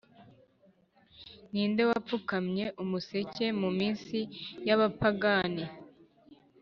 ninde wapfukamye umuseke muminsi yabapagani.